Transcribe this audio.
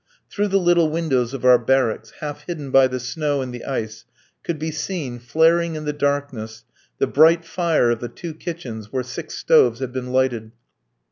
Through the little windows of our barracks, half hidden by the snow and the ice, could be seen, flaring in the darkness, the bright fire of the two kitchens where six stoves had been lighted.